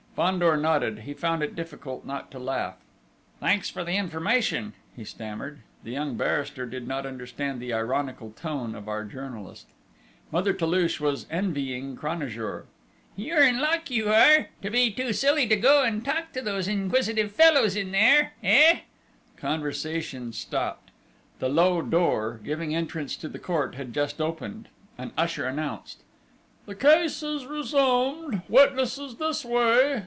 Fandor nodded. He found it difficult not to laugh. "Thanks many for the information," he stammered. The young barrister did not understand the ironical tone of our journalist. Mother Toulouche was envying Cranajour. "You're in luck, you are to be too silly to go and talk to those inquisitive fellows in there! Eh?" Conversations stopped. The little low door, giving entrance to the court, had just opened: an usher announced: "The case is resumed!... Witnesses this way!...